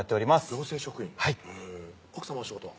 行政職員へぇ奥さまお仕事は？